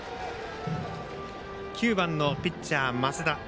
９番のピッチャー、升田。